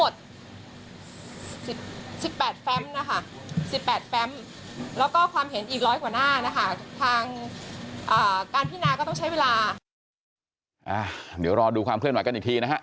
เดี๋ยวรอดูความเคลื่อนไหวกันอีกทีนะฮะ